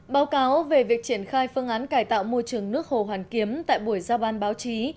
báo cáo về việc triển khai phương án cải tạo môi trường nước hồ hoàn kiếm tại buổi giao ban báo chí